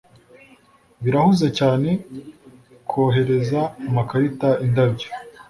Birahuze cyane kohereza amakarita indabyo